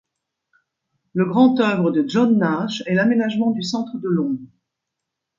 Le grand œuvre de John Nash est l’aménagement du centre de Londres.